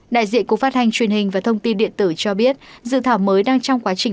đại diện cục phát hành truyền hình và thông tin điện tử cho biết dự thảo mới đang trong quá trình